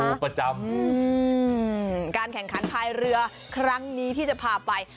ประจำการแข่งขันภายเรือครั้งนี้ที่จะพาไป